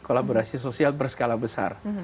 kolaborasi sosial berskala besar